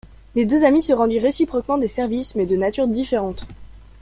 Les deux amis se rendirent réciproquement des services, mais de natures différentes.